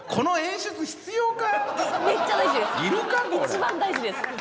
一番大事です。